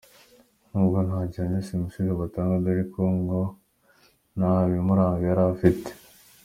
N’ubwo nta gihamya simusiga batanga dore ko ngo nta n’ibimuranga yari afite.